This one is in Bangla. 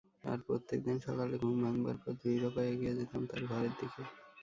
আর প্রত্যেকদিন সকালে ঘুম ভাঙবার পর দৃঢ়পায়ে এগিয়ে যেতাম তার ঘরের দিকে।